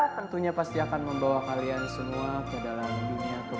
tentunya pasti akan membawa kalian semua ke dalam dunia